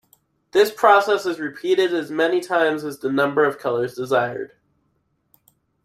This process is repeated as many times as the number of colours desired.